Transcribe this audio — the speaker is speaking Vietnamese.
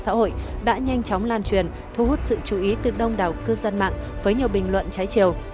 xã hội đã nhanh chóng lan truyền thu hút sự chú ý từ đông đảo cư dân mạng với nhiều bình luận trái chiều